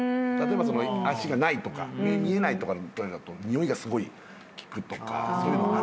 例えば足がないとか見えないとかだとにおいがすごい利くとか。